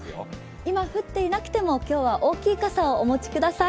今降っていなくても今日は大きい傘をお持ちください。